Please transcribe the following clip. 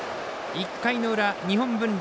１回の裏、日本文理。